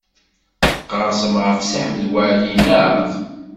Tqerrsem ɣef Si Ḥmed Waɛli, naɣ?